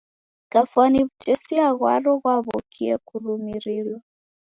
Kafwani w'utesia ghwaro ghwaw'okie kurumirilwa.